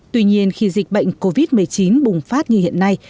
tuy nhiên khi dịch bệnh covid một mươi chín bùng phát như hiện nay